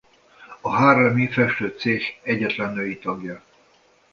A haarlemi festő céh egyetlen női tagja.